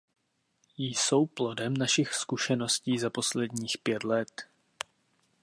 Jsou plodem našich zkušeností za posledních pět let.